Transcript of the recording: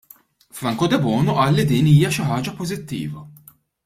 Franco Debono qal li din hija xi ħaġa pożittiva.